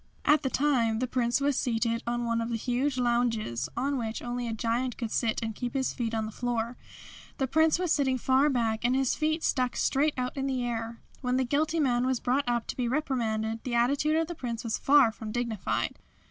At the time the Prince was seated on one of the huge lounges, on which only a giant could sit and keep his feet on the floor. The Prince was sitting far back and his feet stuck straight out in the air. When the guilty man was brought up to be reprimanded the attitude of the Prince was far from dignified.